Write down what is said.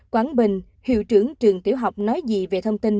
quảng bình hiệu trưởng trường tiểu học nói gì về thông tin